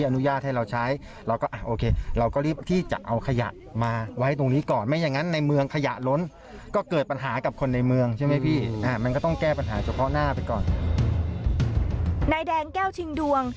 นายแดงแก้วชิงดวง